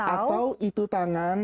atau itu tangan